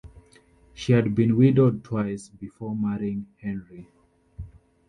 She had been widowed twice before marrying Henry.